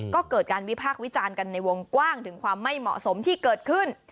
ก็เกิดการวิพากษ์วิจารณ์กันในวงกว้างถึงความไม่เหมาะสมที่เกิดขึ้น